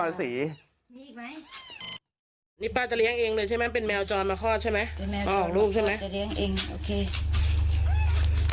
จะเลี้ยงเองโอเค